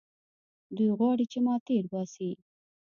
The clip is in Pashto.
دوى غواړي چې ما تېر باسي.